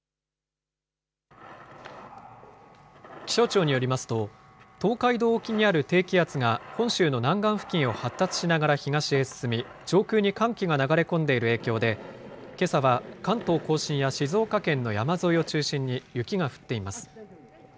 気象庁によりますと、東海道沖にある低気圧が本州の南岸付近を発達しながら東へ進み、上空に寒気が流れ込んでいる影響で、けさは関東甲信や静岡県の山沿いを中心に雪が降っています。